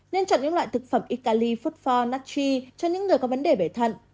nên chọn những loại thực phẩm ít cali phốt pho natchi cho những người có vấn đề bể thận